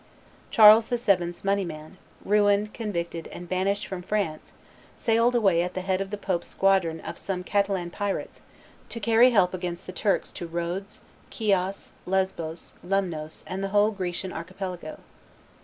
Charles VII.'s moneyman, ruined, convicted, and banished from France, sailed away at the head of the pope's squadron and of some Catalan pirates to carry help against the Turks to Rhodes, Chios, Lesbos, Lemnos, and the whole Grecian archipelago.